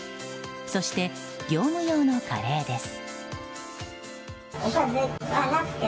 そして業務用のカレーです。